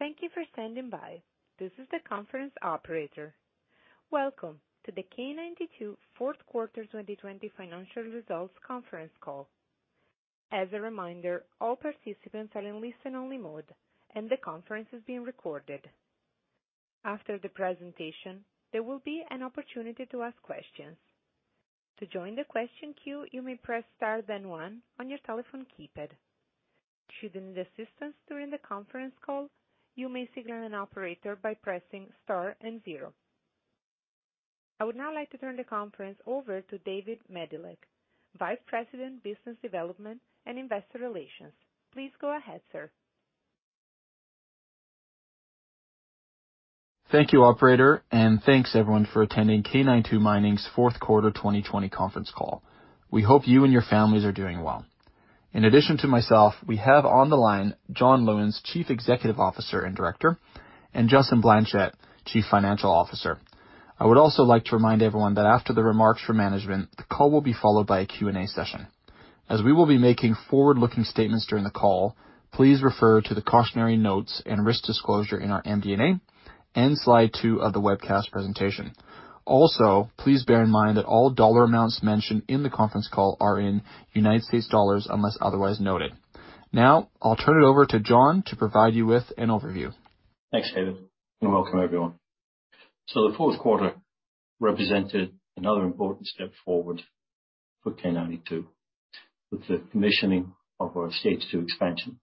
Thank you for standing by this is the conference operator Welcome to the K92 fourth quarter 2020 financial results conference call. As a reminder all participants are in listen-only mode and the conference is being recorded. After the presentation there will be an opportunity to ask questions to join the question queue you will press star then one on your telephone keypad, should you need assistance during conference call you may signal an operator by pressing star then zero. I would now like to turn the conference over to David Medilek, Vice President, Business Development and Investor Relations. Please go ahead, sir. Thank you, operator, and thanks everyone for attending K92 Mining's fourth quarter 2020 conference call. We hope you and your families are doing well. In addition to myself, we have on the line, John Lewins, Chief Executive Officer and Director, and Justin Blanchet, Chief Financial Officer. I would also like to remind everyone that after the remarks from management, the call will be followed by a Q&A session. As we will be making forward-looking statements during the call, please refer to the cautionary notes and risk disclosure in our MD&A and slide two of the webcast presentation. Also, please bear in mind that all dollar amounts mentioned in the conference call are in United States dollars, unless otherwise noted. Now, I'll turn it over to John to provide you with an overview. Thanks, David, and welcome everyone. The fourth quarter represented another important step forward for K92, with the commissioning of our Stage two Expansion,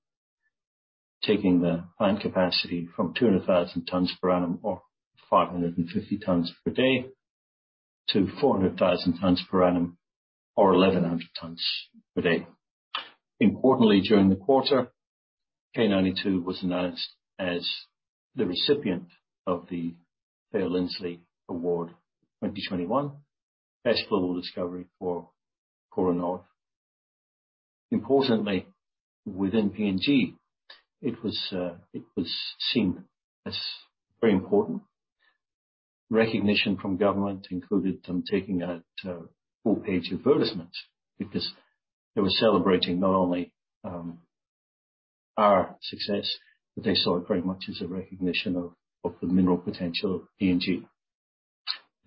taking the plant capacity from 200,000 tons per annum or 550 tons per day to 400,000 tons per annum or 1,100 tons per day. Importantly, during the quarter, K92 was announced as the recipient of the Thayer Lindsley Award 2021, Best Global Discovery for Kora North. Importantly, within PNG, it was seen as very important. Recognition from government included them taking out a full-page advertisement because they were celebrating not only our success, but they saw it very much as a recognition of the mineral potential of PNG.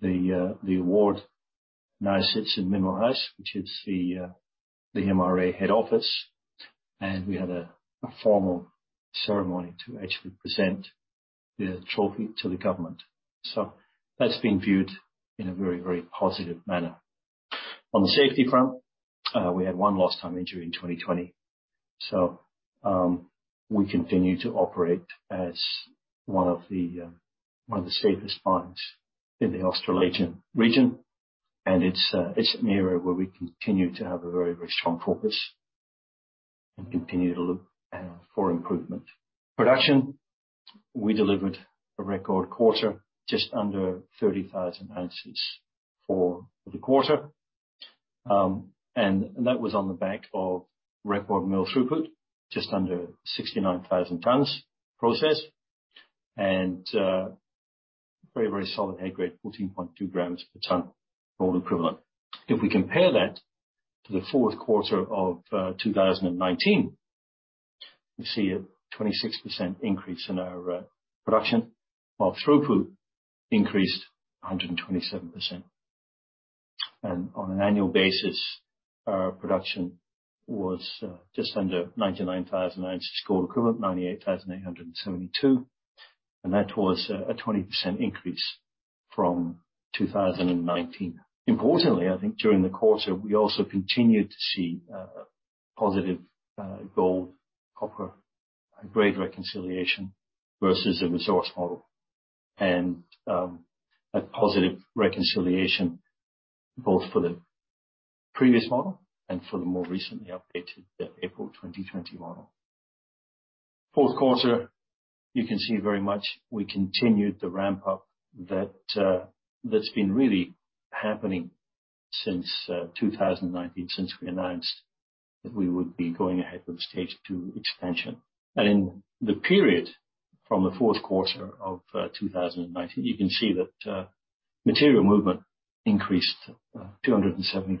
The award now sits in Mineral House, which is the MRA head office, and we had a formal ceremony to actually present the trophy to the government. That's been viewed in a very positive manner. On the safety front, we had one lost time injury in 2020. We continue to operate as one of the safest mines in the Australasian region, and it's an area where we continue to have a very strong focus and continue to look for improvement. Production. We delivered a record quarter, just under 30,000 ounces for the quarter. That was on the back of record mill throughput, just under 69,000 tons processed, and a very solid head grade, 14.2 g per ton gold equivalent. If we compare that to the fourth quarter of 2019, we see a 26% increase in our production, while throughput increased 127%. On an annual basis, our production was just under 99,000 ounces gold equivalent, 98,872, and that was a 20% increase from 2019. Importantly, I think during the quarter, we also continued to see a positive gold, copper grade reconciliation versus the resource model, and a positive reconciliation both for the previous model and for the more recently updated, the April 2020 model. Fourth quarter, you can see very much we continued the ramp-up that's been really happening since 2019, since we announced that we would be going ahead with the Stage two Expansion. In the period from the Q4 2019, you can see that material movement increased 275%.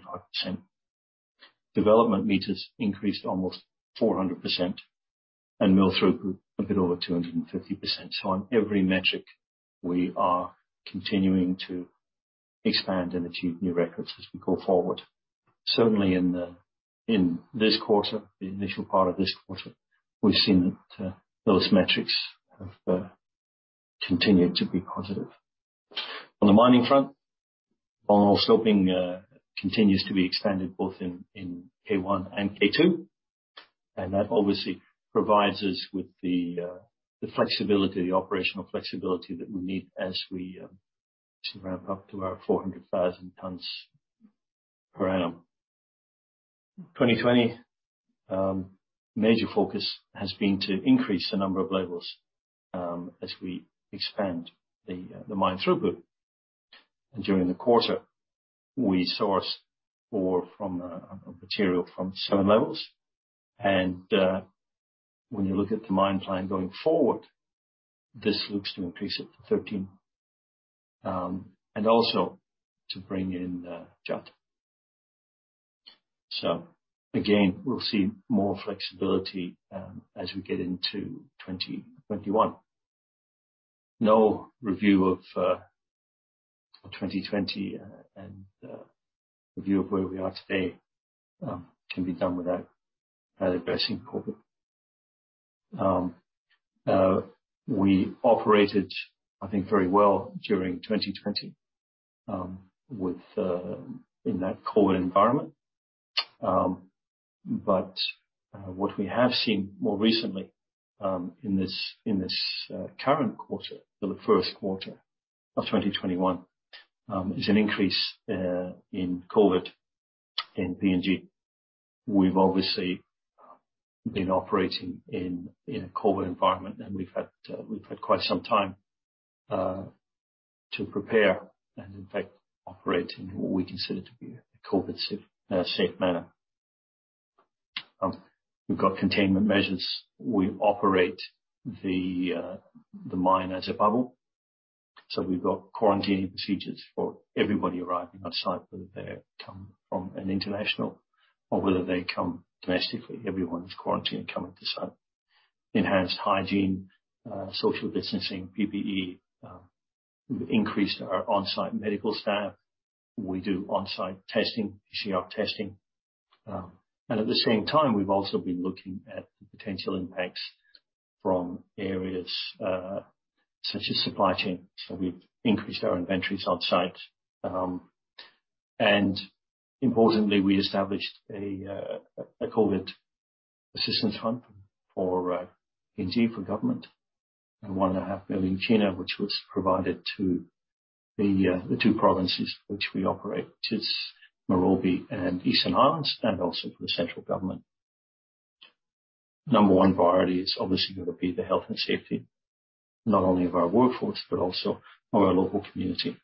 Development m increased almost 400% and mill throughput a bit over 250%. On every metric, we are continuing to expand and achieve new records as we go forward. Certainly in this quarter, the initial part of this quarter, we have seen that those metrics have continued to be positive. On the mining front, longhole stoping continues to be expanded both in K1 and K2, and that obviously provides us with the operational flexibility that we need as we ramp up to our 400,000 tons per annum. 2020, major focus has been to increase the number of levels as we expand the mine throughput. During the quarter, we sourced ore from, or material from seven levels, and when you look at the mine plan going forward, this looks to increase it to 13, and also to bring in the Judd. Again, we will see more flexibility as we get into 2021. No review of 2020 and a review of where we are today can be done without addressing COVID. We operated, I think, very well during 2020 in that COVID environment. What we have seen more recently in this current quarter, the first quarter of 2021, is an increase in COVID in PNG. We've obviously been operating in a COVID environment, and we've had quite some time to prepare and, in fact, operate in what we consider to be a COVID-safe manner. We've got containment measures. We operate the mine as a bubble. We've got quarantine procedures for everybody arriving on site, whether they come from an international or whether they come domestically. Everyone is quarantined coming to site. Enhanced hygiene, social distancing, PPE. We've increased our on-site medical staff. We do on-site testing, PCR testing. At the same time, we've also been looking at the potential impacts from areas such as supply chain. We've increased our inventories on site. Importantly, we established a COVID assistance fund for PNG, for government, of PGK 1.5 million, which was provided to the two provinces which we operate, which is Morobe and Eastern Highlands, and also for the central government. Number one priority is obviously going to be the health and safety, not only of our workforce but also of our local community.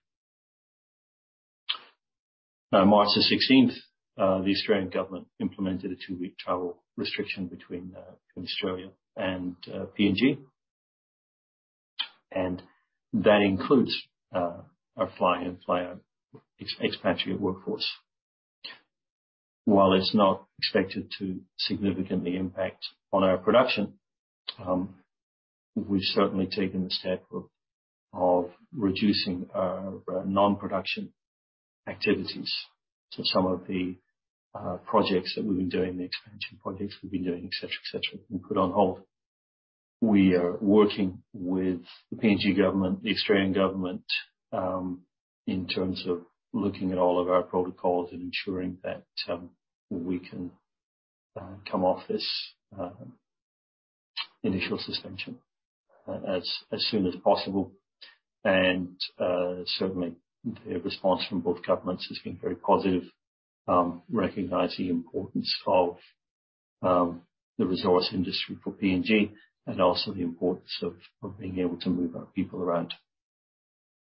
On March 16, the Australian government implemented a two week travel restriction between Australia and PNG. That includes our fly-in, fly-out expatriate workforce. While it's not expected to significantly impact on our production, we've certainly taken the step of reducing our non-production activities. Some of the projects that we've been doing, the expansion projects we've been doing, et cetera, have been put on hold. We are working with the PNG government, the Australian government, in terms of looking at all of our protocols and ensuring that we can come off this initial suspension as soon as possible. Certainly, the response from both governments has been very positive, recognizing the importance of the resource industry for PNG and also the importance of being able to move our people around.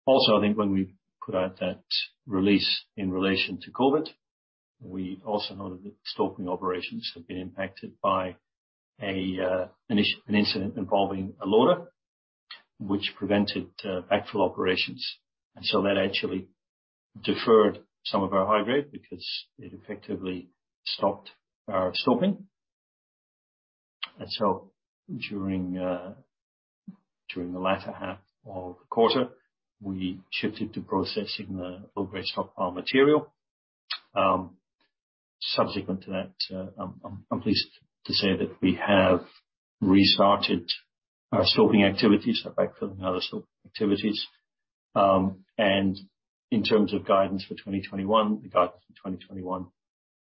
I think when we put out that release in relation to COVID, we also noted that the stoping operations have been impacted by an incident involving a loader which prevented backfill operations. That actually deferred some of our high grade because it effectively stopped our stoping. During the latter half of the quarter, we shifted to processing the low-grade stockpile material. Subsequent to that, I'm pleased to say that we have restarted our stoping activities, our backfill and other stoping activities. In terms of guidance for 2021, the guidance for 2021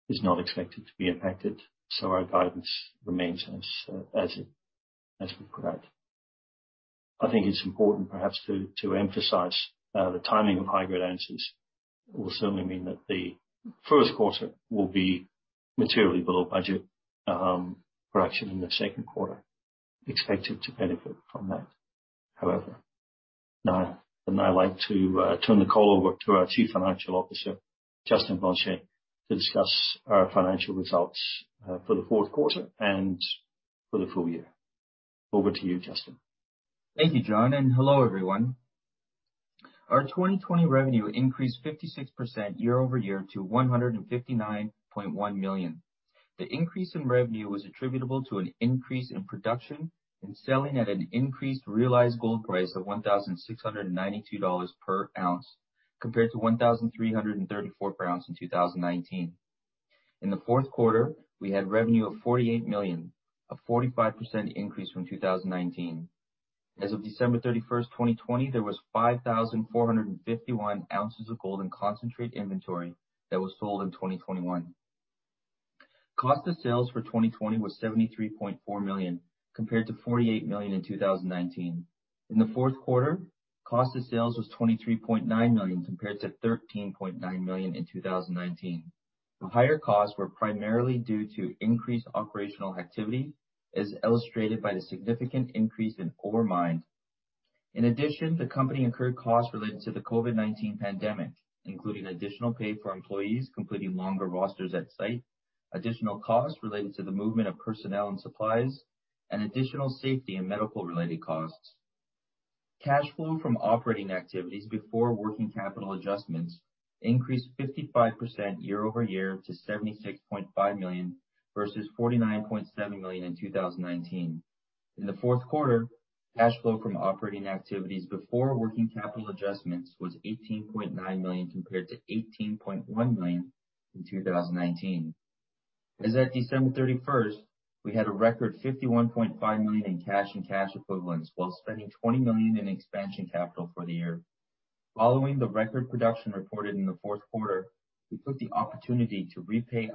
is not expected to be impacted. Our guidance remains as we put out. I think it's important perhaps to emphasize the timing of high-grade ounces will certainly mean that the first quarter will be materially below budget production in the second quarter, expected to benefit from that. I'd like to turn the call over to our Chief Financial Officer, Justin Blanchet, to discuss our financial results for the fourth quarter and for the full year. Over to you, Justin. Thank you, John, and hello, everyone. Our 2020 revenue increased 56% year-over-year to $159.1 million. The increase in revenue was attributable to an increase in production and selling at an increased realized gold price of $1,692 per ounce compared to $1,334 per ounce in 2019. In the fourth quarter, we had revenue of $48 million, a 45% increase from 2019. As of December 31, 2020, there was 5,451 ounces of gold in concentrate inventory that was sold in 2021. Cost of sales for 2020 was $73.4 million, compared to $48 million in 2019. In the fourth quarter, cost of sales was $23.9 million, compared to $13.9 million in 2019. The higher costs were primarily due to increased operational activity, as illustrated by the significant increase in ore mined. In addition, the company incurred costs related to the COVID-19 pandemic, including additional pay for employees completing longer rosters at site, additional costs related to the movement of personnel and supplies, and additional safety and medical-related costs. Cash flow from operating activities before working capital adjustments increased 55% year-over-year to $76.5 million, versus $49.7 million in 2019. In the fourth quarter, cash flow from operating activities before working capital adjustments was $18.9 million compared to $18.1 million in 2019. As at December 31st, we had a record $51.5 million in cash and cash equivalents, while spending $20 million in expansion capital for the year. Following the record production reported in the fourth quarter, we took the opportunity to repay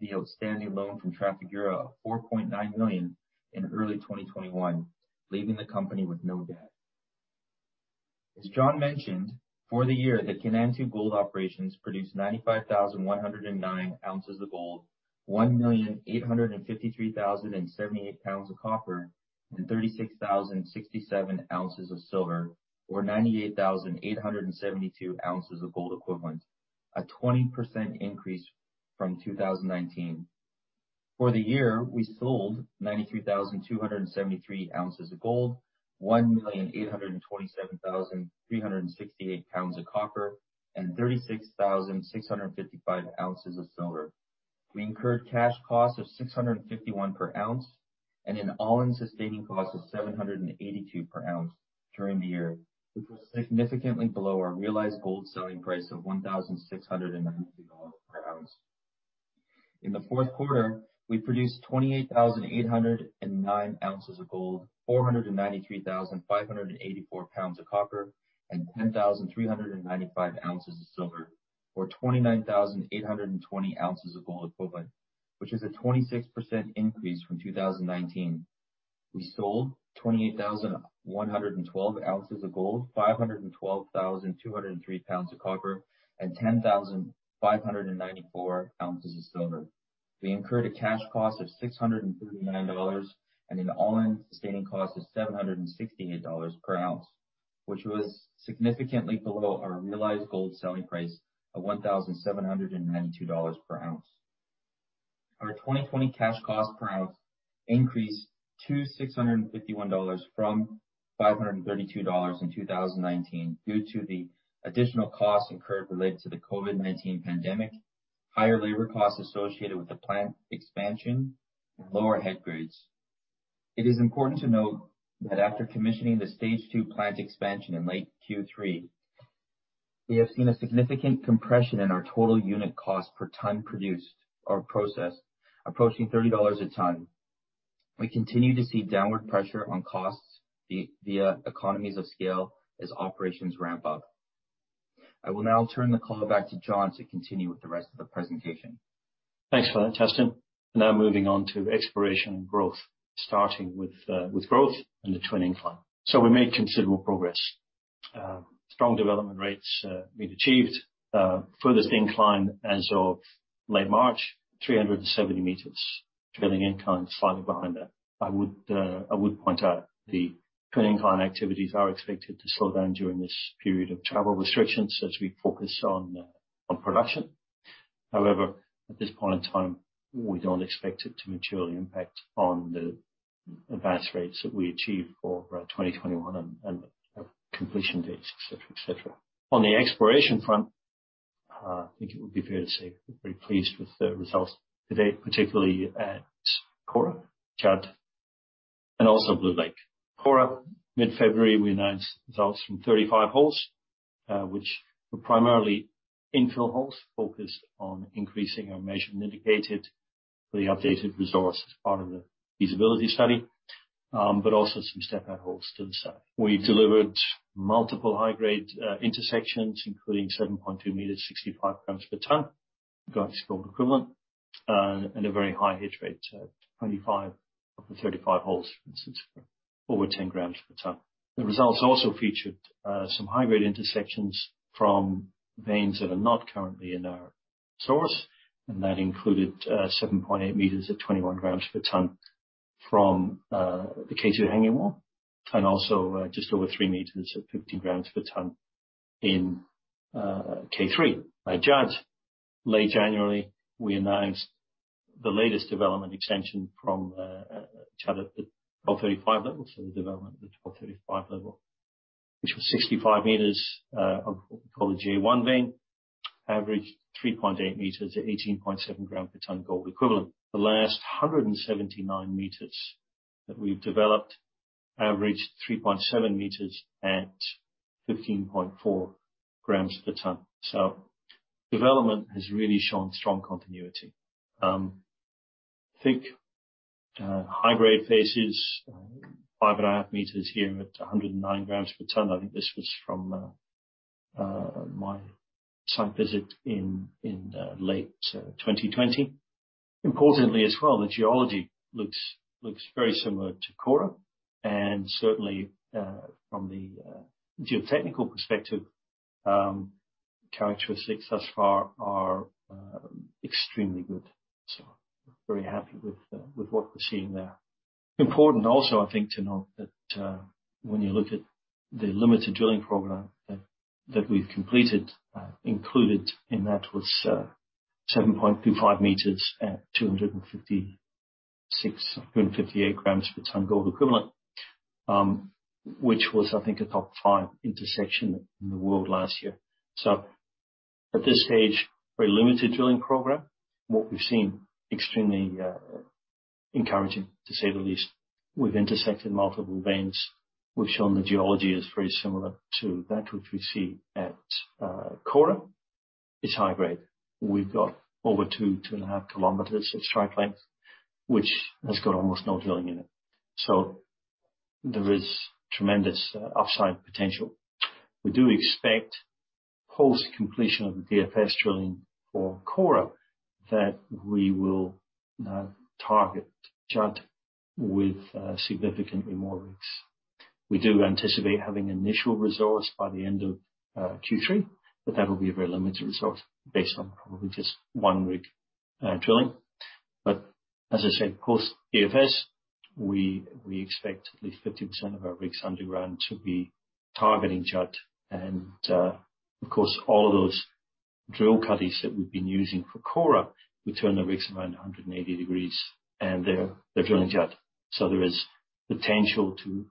the outstanding loan from Trafigura of $4.9 million in early 2021, leaving the company with no debt. As John Lewins mentioned, for the year, the Kainantu gold operations produced 95,109 ounces of gold, 1,853,078 pounds of copper, and 36,067 ounces of silver or 98,872 ounces of gold equivalent, a 20% increase from 2019. For the year, we sold 93,273 ounces of gold, 1,827,368 pounds of copper, and 36,655 ounces of silver. We incurred cash costs of $651 per ounce, and an all-in sustaining cost of $782 per ounce during the year, which was significantly below our realized gold selling price of $1,690 per ounce. In the fourth quarter, we produced 28,809 ounces of gold, 493,584 pounds of copper, and 10,395 ounces of silver or 29,820 ounces of gold equivalent, which is a 26% increase from 2019. We sold 28,112 ounces of gold, 512,203 pounds of copper, and 10,594 ounces of silver. We incurred a cash cost of $639 and an all-in sustaining cost of $768 per ounce, which was significantly below our realized gold selling price of $1,792 per ounce. Our 2020 cash cost per ounce increased to $651 from $532 in 2019 due to the additional costs incurred related to the COVID-19 pandemic, higher labor costs associated with the plant expansion, and lower head grades. It is important to note that after commissioning the Stage two plant expansion in late Q3, we have seen a significant compression in our total unit cost per ton produced or processed, approaching $30 a ton. We continue to see downward pressure on costs via economies of scale as operations ramp up. I will now turn the call back to John to continue with the rest of the presentation. Thanks for that, Justin. Moving on to exploration and growth, starting with growth and the twin incline plan. We made considerable progress. Strong development rates have been achieved. Furthest incline as of late March, 300 cm. Drilling incline slightly behind that. I would point out the twin incline activities are expected to slow down during this period of travel restrictions as we focus on production. However, at this point in time, we don't expect it to materially impact on the advance rates that we achieve for 2021 and completion dates, et cetera. On the exploration front, I think it would be fair to say we're pretty pleased with the results to date, particularly at Kora, Judd, and also Blue Lake. Kora, mid-February, we announced results from 35 holes, which were primarily infill holes focused on increasing our measured and indicated for the updated resource as part of the feasibility study, but also some step-out holes to the side. We delivered multiple high-grade intersections, including 7.2 m, 65 g per ton, g gold equivalent, and a very high hit rate, 25 of the 35 holes, for instance, over 10 g per ton. The results also featured some high-grade intersections from veins that are not currently in our source, and that included 7.8 m at 21 g per ton from the K2 hanging wall, and also just over three m at 15 g per ton in K3. At Judd, late January, we announced the latest development extension from Judd at the 1235 level. The development at the 1235 level, which was 65 m of what we call the J1 Vein, averaged 3.8 m at 18.7 g per ton gold equivalent. The last 179 m that we've developed averaged 3.7 m at 15.4 g per ton. Development has really shown strong continuity. I think high-grade phases, 5.5 m here at 109 g per ton. I think this was from my site visit in late 2020. Importantly as well, the geology looks very similar to Kora, and certainly from the geotechnical perspective, characteristics thus far are extremely good. Very happy with what we're seeing there. Important also, I think to note that when you look at the limited drilling program that we've completed, included in that was 7.25 m at 250,658 g per ton gold equivalent, which was, I think, a top five intersection in the world last year. At this stage, very limited drilling program. What we've seen, extremely encouraging to say the least. We've intersected multiple veins. We've shown the geology is very similar to that which we see at Kora. It's high grade. We've got over two and a half kilom of strike length, which has got almost no drilling in it. There is tremendous upside potential. We do expect post completion of the DFS drilling for Kora, that we will now target Judd with significantly more rigs. We do anticipate having initial resource by the end of Q3, that will be a very limited resource based on probably just one rig drilling. As I say, post DFS, we expect at least 50% of our rigs underground to be targeting Judd and, of course, all of those drill cuttings that we've been using for Kora, we turn the rigs around 180 degrees and they're drilling Judd. There is potential to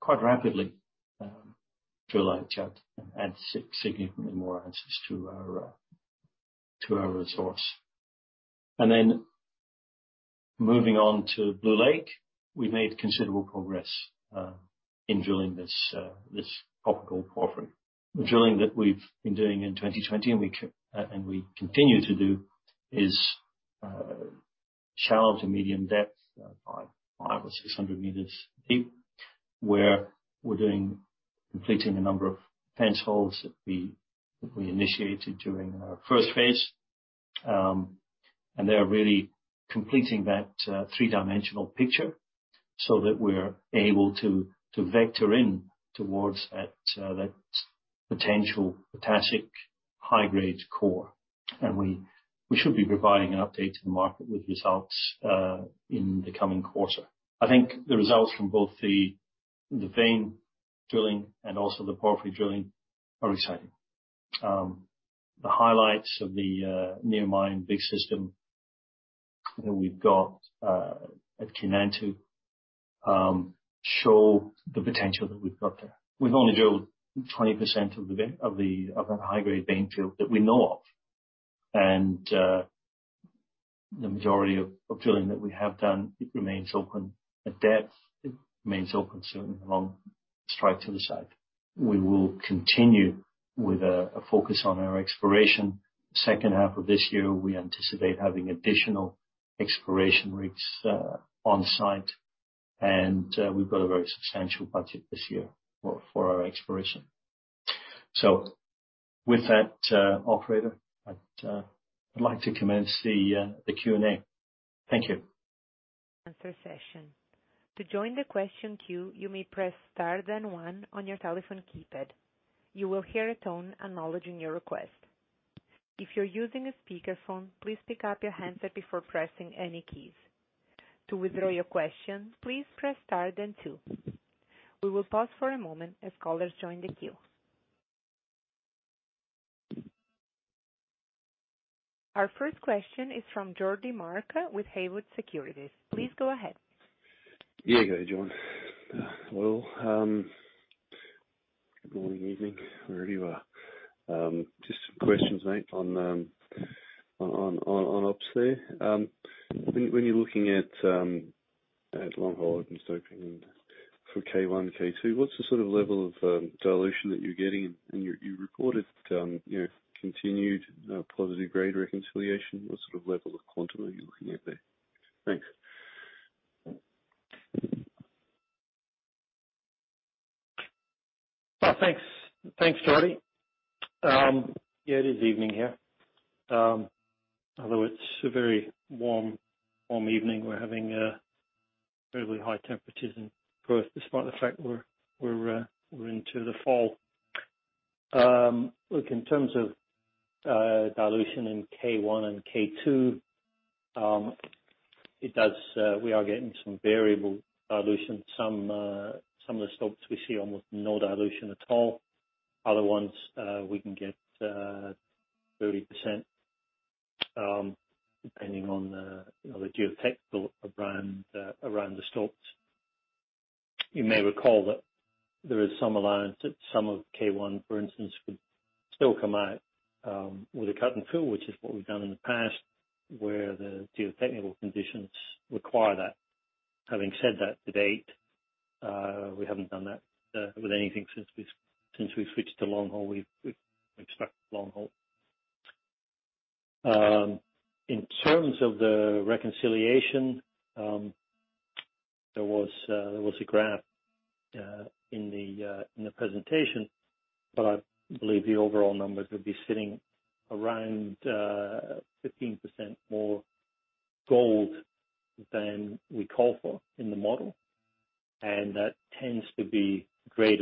quite rapidly drill out Judd and add significantly more ounces to our resource. Then moving on to Blue Lake, we've made considerable progress in drilling this copper-gold porphyry. The drilling that we've been doing in 2020 and we continue to do is shallow to medium depth, 500 or 600 m deep, where we're completing a number of fence holes that we initiated during our first phase. They are really completing that three-dimensional picture so that we're able to vector in towards that potential potassic high-grade core. We should be providing an update to the market with results in the coming quarter. I think the results from both the vein drilling and also the porphyry drilling are exciting. The highlights of the near mine big system that we've got at K92 show the potential that we've got there. We've only drilled 20% of that high grade vein field that we know of. The majority of drilling that we have done, it remains open at depth. It remains open certainly along strike to the side. We will continue with a focus on our exploration. Second half of this year, we anticipate having additional exploration rigs on-site, and we've got a very substantial budget this year for our exploration. With that, operator, I'd like to commence the Q&A. Thank you. Our first question is from Geordie Mark with Haywood Securities. Please go ahead. There you go, John. Well, good morning, evening, wherever you are. Just some questions, mate, on ops there. When you're looking at longhole and stoping for K1, K2, what's the sort of level of dilution that you're getting? You reported continued positive grade reconciliation. What sort of level of quantum are you looking at there? Thanks. Thanks. Thanks, Geordie. Yeah, it is evening here. Although it's a very warm evening. We're having fairly high temperatures in Perth, despite the fact we're into the fall. Look, in terms of dilution in K1 and K2, we are getting some variable dilution. Some of the stopes we see almost no dilution at all. Other ones, we can get 30%, depending on the geotechnical around the stopes. You may recall that there is some allowance that some of K1, for instance, could still come out with a cut and fill, which is what we've done in the past, where the geotechnical conditions require that. Having said that, to date, we haven't done that with anything since we've switched to longhole. We've stuck with longhole. In terms of the reconciliation, there was a graph in the presentation, but I believe the overall numbers would be sitting around 15% more gold than we call for in the model. That tends to be grade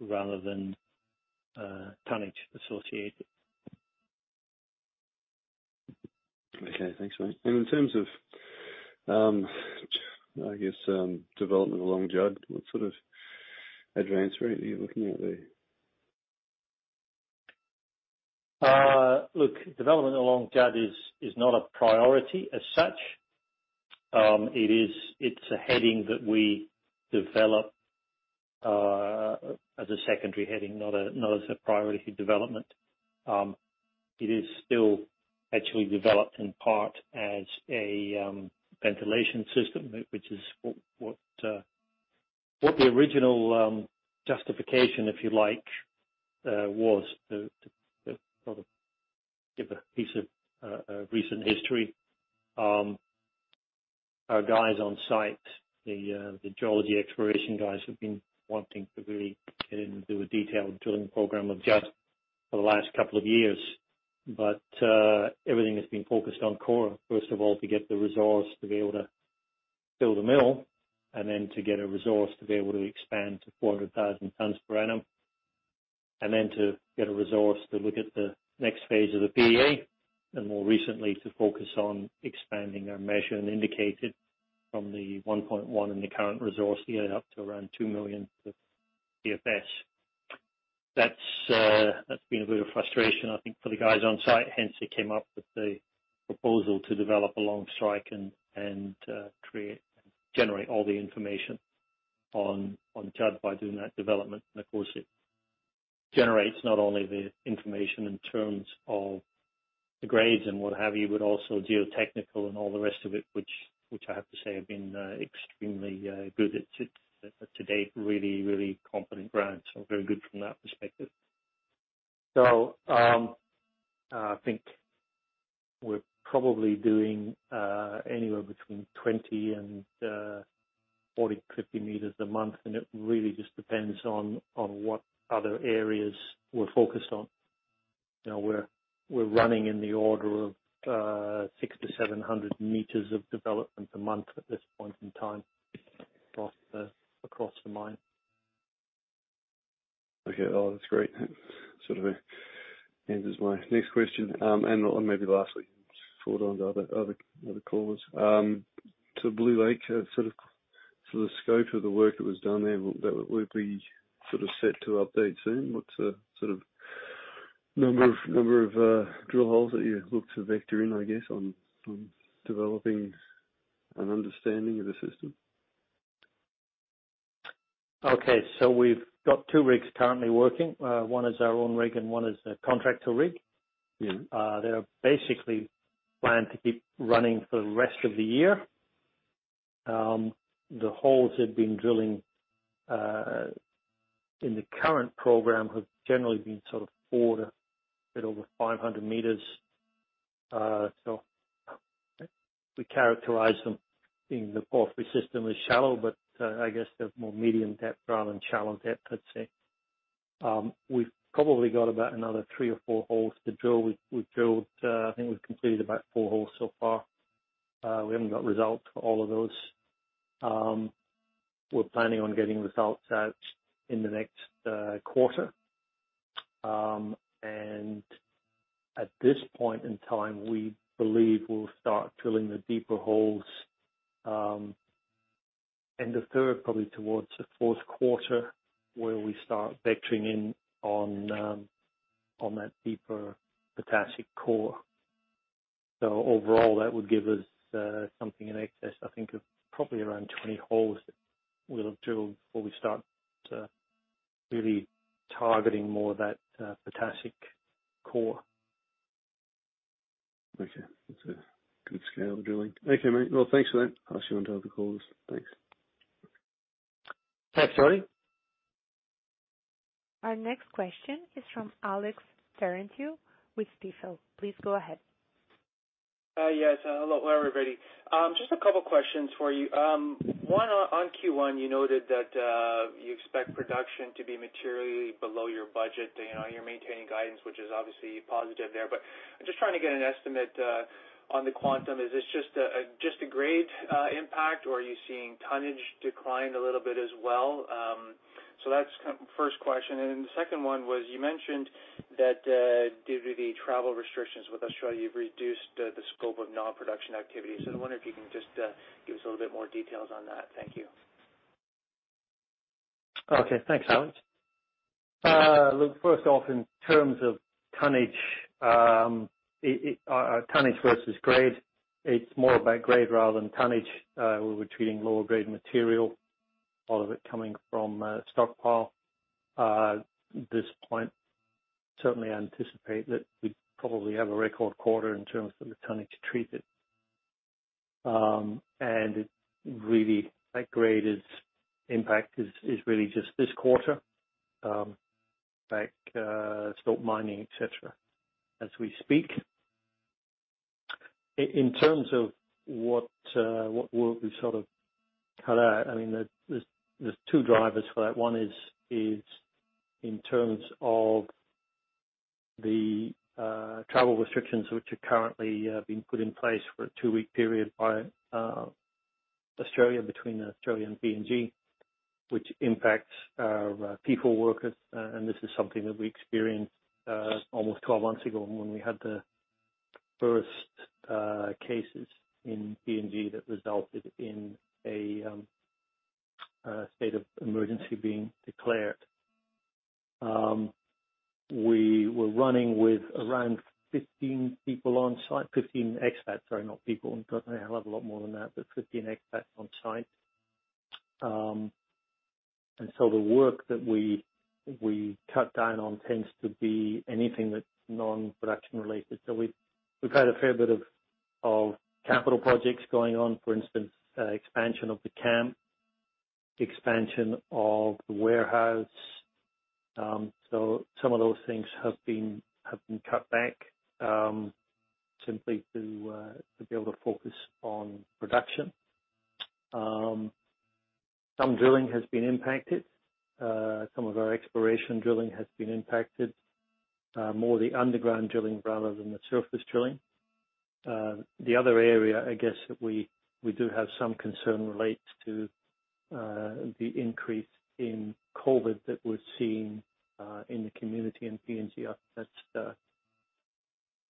rather than tonnage associated. Okay. Thanks, mate. In terms of development along Judd, what sort of advance rate are you looking at there? Look, development along Judd is not a priority as such. It's a heading that we develop as a secondary heading, not as a priority development. It is still actually developed in part as a ventilation system, which is what the original justification, if you like, was. To sort of give a piece of recent history. Our guys on site, the geology exploration guys, have been wanting to really get in and do a detailed drilling program of Judd for the last couple of years. Everything has been focused on Kora, first of all, to get the resource to be able to build a mill, and then to get a resource to be able to expand to 400,000 tons per annum, and then to get a resource to look at the next phase of the PEA. More recently, to focus on expanding our measured and indicated from the 1.1 in the current resource year up to around 2 million TSFs. That's been a bit of frustration, I think, for the guys on site. They came up with the proposal to develop along strike and generate all the information on Judd by doing that development. Of course, it generates not only the information in terms of the grades and what have you, but also geotechnical and all the rest of it, which I have to say have been extremely good to date. Really competent ground, so very good from that perspective. I think we're probably doing anywhere between 20 and 40, 50 m a month, and it really just depends on what other areas we're focused on. We're running in the order of 600 m-700 m of development a month at this point in time across the mine. Okay. Oh, that's great. Sort of answers my next question. Maybe lastly, before I go on to other callers. To Blue Lake, the scope of the work that was done there, will be set to update soon? What's the sort of number of drill holes that you look to vector in, I guess, on developing an understanding of the system? Okay. We've got two rigs currently working. One is our own rig and one is a contractor rig. They're basically planned to keep running for the rest of the year. The holes they've been drilling, in the current program, have generally been sort of four to a bit over 500 m. We characterize them in the porphyry system as shallow, but I guess they're more medium depth rather than shallow depth, I'd say. We've probably got about another three or four holes to drill. I think we've completed about four holes so far. We haven't got results for all of those. We're planning on getting results out in the next quarter. At this point in time, we believe we'll start drilling the deeper holes end of third, probably towards the fourth quarter, where we start vectoring in on that deeper potassic core. Overall, that would give us something in excess, I think, of probably around 20 holes that we'll have drilled before we start really targeting more of that potassic core. Okay. That's a good scale of drilling. Okay, mate. Well, thanks for that. I'll pass you on to other callers. Thanks. Thanks, Tony. Our next question is from Alex Terentiew with Stifel. Please go ahead. Yes. Hello, everybody. Just a couple questions for you. One, on Q1, you noted that you expect production to be materially below your budget. You're maintaining guidance, which is obviously positive there. I'm just trying to get an estimate on the quantum. Is this just a grade impact, or are you seeing tonnage decline a little bit as well? That's first question. The second one was, you mentioned that due to the travel restrictions with Australia, you've reduced the scope of non-production activities. I wonder if you can just give us a little bit more details on that. Thank you. Thanks, Alex. First off, in terms of tonnage versus grade, it's more about grade rather than tonnage. We're treating lower-grade material, all of it coming from stockpile. At this point, certainly anticipate that we probably have a record quarter in terms of the tonnage treated. Really that grade's impact is really just this quarter. Back stop mining, et cetera, as we speak. In terms of what work we've sort of cut out, there's two drivers for that. One is in terms of the travel restrictions, which are currently being put in place for a two-week period by Australia, between Australia and PNG, which impacts our people workers. This is something that we experienced almost 12 months ago when we had the first cases in PNG that resulted in a state of emergency being declared. We were running with around 15 people on site. 15 expats, sorry, not people. God, I have a lot more than that, but 15 expats on site. The work that we cut down on tends to be anything that's non-production related. We've had a fair bit of capital projects going on, for instance, expansion of the camp, expansion of the warehouse. Some of those things have been cut back, simply to be able to focus on production. Some drilling has been impacted. Some of our exploration drilling has been impacted, more the underground drilling rather than the surface drilling. The other area, I guess, that we do have some concern relates to the increase in COVID that we're seeing in the community in PNG.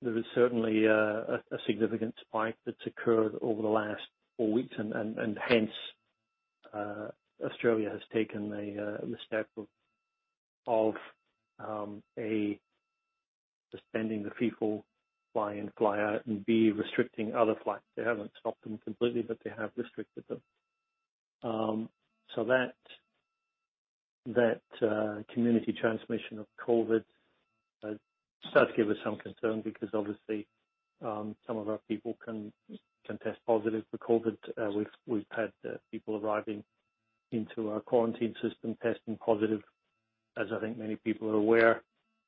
There is certainly a significant spike that's occurred over the last four weeks. Hence Australia has taken the step of, A, suspending the people fly in, fly out, and B, restricting other flights. They haven't stopped them completely. They have restricted them. That community transmission of COVID does give us some concern because obviously some of our people can test positive for COVID. We've had people arriving into our quarantine system testing positive. As I think many people are aware,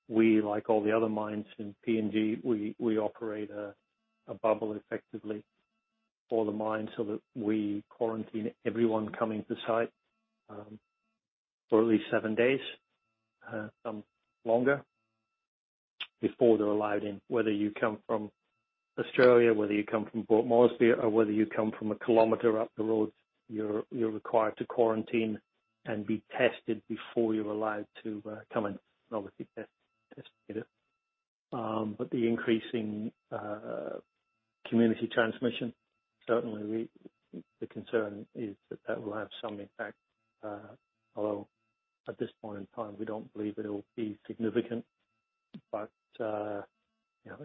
we, like all the other mines in PNG, we operate a bubble effectively for the mine so that we quarantine everyone coming to site for at least seven days, some longer, before they're allowed in. Whether you come from Australia, whether you come from Port Moresby or whether you come from a kilometer up the road, you're required to quarantine and be tested before you're allowed to come in. Obviously tested. The increasing community transmission, certainly the concern is that that will have some impact. Although at this point in time, we don't believe it'll be significant.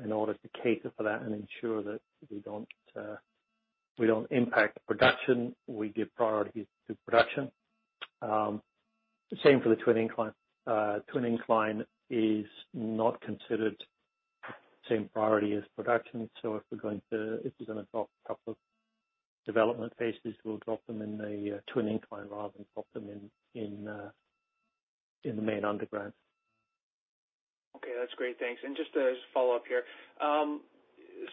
In order to cater for that and ensure that we don't impact production, we give priority to production. Same for the twin incline. Twin incline is not considered same priority as production. If we're going to drop a couple of development phases, we'll drop them in the twin incline rather than drop them in the main underground. Okay, that's great. Thanks. Just to follow up here.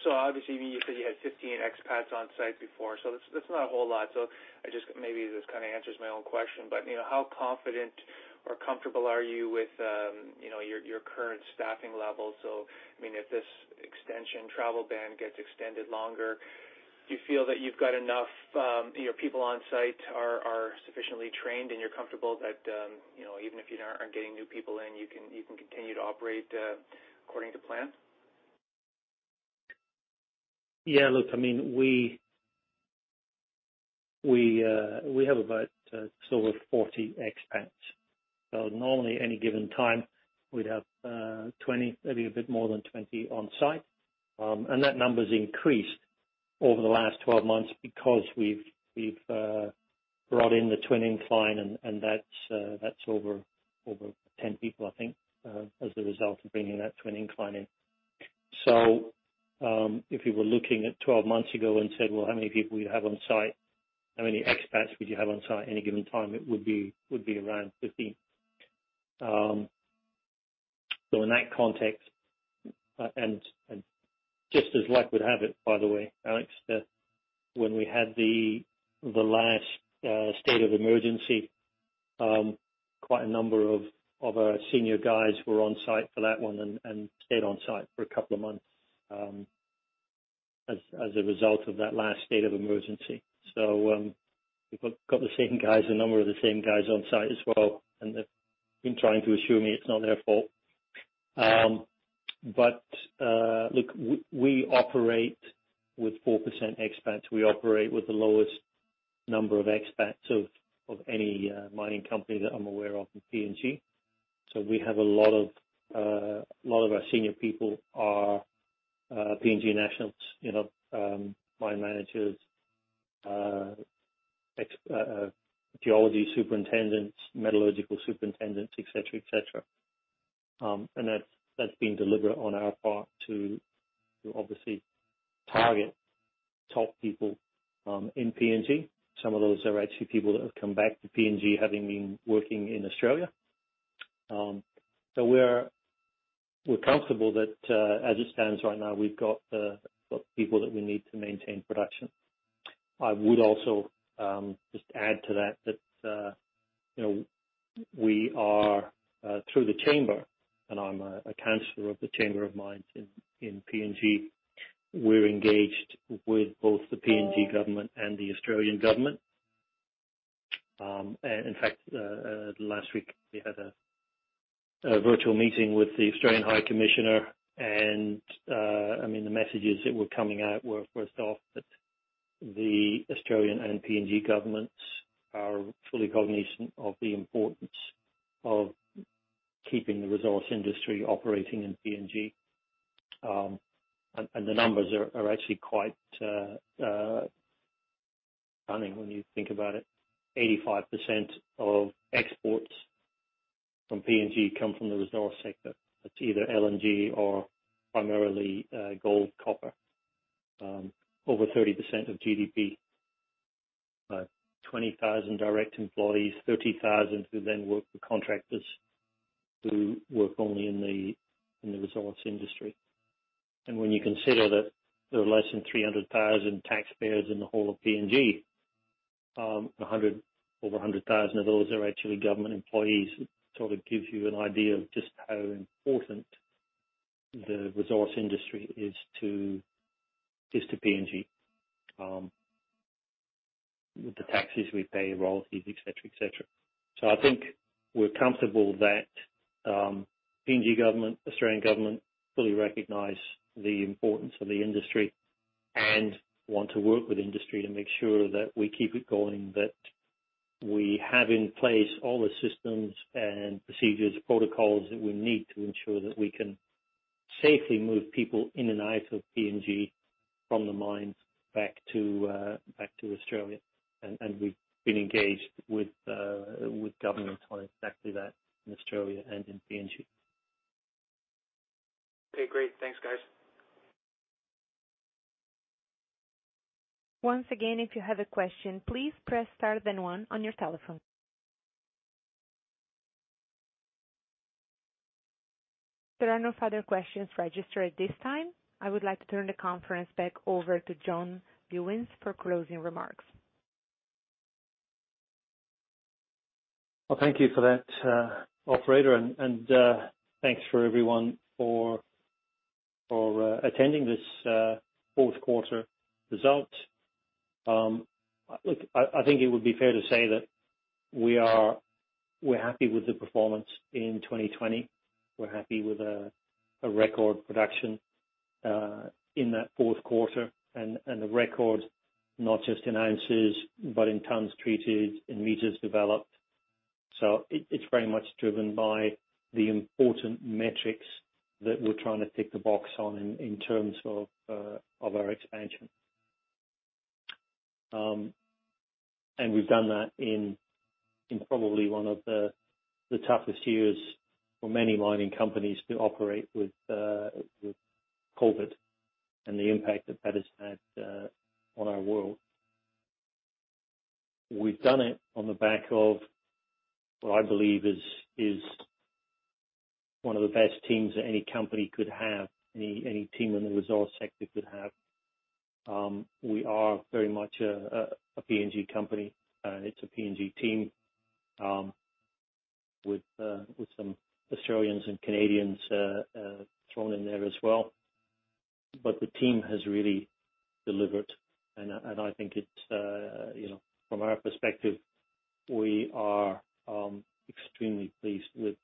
Obviously, you said you had 15 expats on site before, so that's not a whole lot. Maybe this kind of answers my own question, but how confident or comfortable are you with your current staffing levels? I mean, if this extension travel ban gets extended longer, do you feel that you've got enough people on site, are sufficiently trained, and you're comfortable that even if you aren't getting new people in, you can continue to operate according to plan? Yeah, look, we have about just over 40 expats. Normally, any given time, we'd have 20, maybe a bit more than 20 on site. That number's increased over the last 12 months because we've brought in the twin incline, and that's over 10 people, I think, as a result of bringing that twin incline in. If you were looking at 12 months ago and said, "Well, how many people you have on site? How many expats would you have on site any given time?" It would be around 50. In that context, and just as luck would have it, by the way, Alex, that when we had the last state of emergency, quite a number of our senior guys were on site for that one and stayed on site for a couple of months as a result of that last state of emergency. We've got the same guys, a number of the same guys on site as well, and they've been trying to assure me it's not their fault. Look, we operate with 4% expats. We operate with the lowest number of expats of any mining company that I'm aware of in PNG. We have a lot of our senior people are PNG nationals. Mine managers, geology superintendents, metallurgical superintendents, et cetera. That's been deliberate on our part to obviously target top people in PNG. Some of those are actually people that have come back to PNG, having been working in Australia. We're comfortable that as it stands right now, we've got the people that we need to maintain production. I would also just add to that we are through the Chamber, and I'm a counselor of the Chamber of Mines in PNG. We're engaged with both the PNG government and the Australian government. In fact, last week we had a virtual meeting with the Australian High Commissioner. The messages that were coming out were first off, that the Australian and PNG governments are fully cognizant of the importance of keeping the resource industry operating in PNG. The numbers are actually quite stunning when you think about it. 85% of exports from PNG come from the resource sector. That's either LNG or primarily gold, copper. Over 30% of GDP. 20,000 direct employees, 30,000 who then work for contractors who work only in the resource industry. When you consider that there are less than 300,000 taxpayers in the whole of PNG, over 100,000 of those are actually government employees, it sort of gives you an idea of just how important the resource industry is to PNG. With the taxes we pay, royalties, et cetera. I think we're comfortable that PNG government, Australian Government fully recognize the importance of the industry and want to work with industry to make sure that we keep it going, that we have in place all the systems and procedures, protocols that we need to ensure that we can safely move people in and out of PNG from the mines back to Australia. We've been engaged with governments on exactly that in Australia and in PNG. Okay, great. Thanks, guys. Once again, if you have a question, please press star then one on your telephone. There are no further questions registered at this time. I would like to turn the conference back over to John Lewins for closing remarks. Well, thank you for that, Operator, and thanks for everyone for attending this fourth quarter result. Look, I think it would be fair to say that we're happy with the performance in 2020. We're happy with a record production in that fourth quarter, and a record not just in ounces, but in tons treated, in m developed. It's very much driven by the important metrics that we're trying to tick the box on in terms of our expansion. We've done that in probably one of the toughest years for many mining companies to operate with COVID and the impact that that has had on our world. We've done it on the back of what I believe is one of the best teams that any company could have, any team in the resource sector could have. We are very much a PNG company. It's a PNG team, with some Australians and Canadians thrown in there as well. The team has really delivered, and I think from our perspective, we are extremely pleased with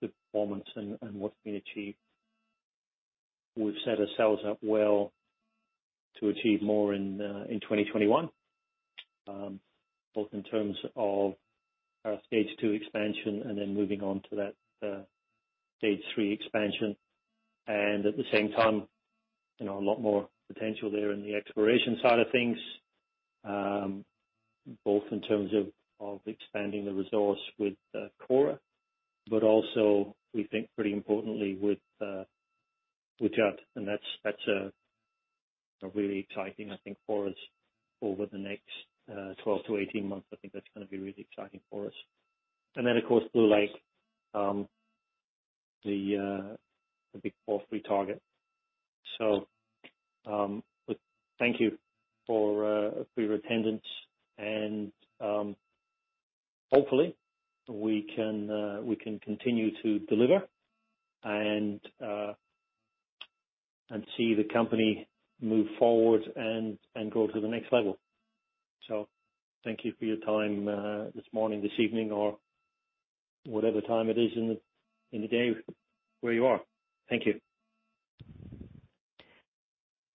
the performance and what's been achieved. We've set ourselves up well to achieve more in 2021, both in terms of our Stage two Expansion and then moving on to that Stage three Expansion. At the same time, a lot more potential there in the exploration side of things, both in terms of expanding the resource with Kora, but also we think pretty importantly with Judd. That's really exciting, I think, for us over the next 12-18 months. I think that's going to be really exciting for us. Then, of course, Blue Lake, the big porphyry target. Thank you for your attendance and hopefully we can continue to deliver and see the company move forward and grow to the next level. Thank you for your time this morning, this evening, or whatever time it is in the day where you are. Thank you.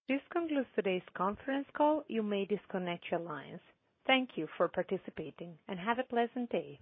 This concludes today's conference call. You may disconnect your lines. Thank you for participating and have a pleasant day.